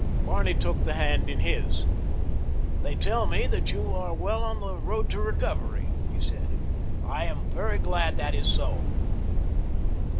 Barney took the hand in his. "They tell me that you are well on the road to recovery," he said. "I am very glad that it is so."